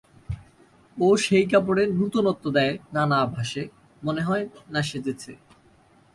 ও সেই কাপড়ে নূতনত্ব দেয় নানা আভাসে, মনে হয় না সেজেছে।